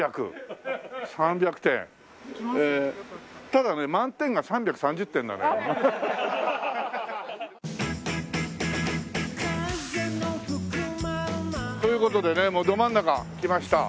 ただね満点が３３０点なのよ。という事でねもうど真ん中来ました。